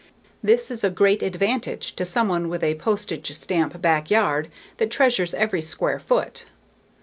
This is a great advantage to someone with a postage stamp backyard that treasures every square foot.